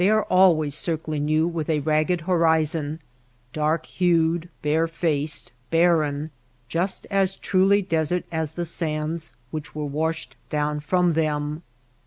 are always circling you with a ragged horizon, dark hned, bare faced, barren — just as truly desert as the sands which were washed down from them.